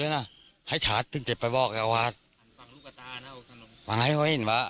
อย่างก็เอาใหม่